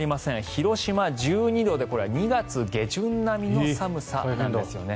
広島、１２度でこれは２月下旬並みの寒さなんですよね。